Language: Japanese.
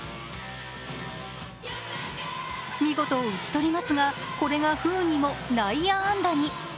見事、打ち取りますが、これが不運にも内野安打に。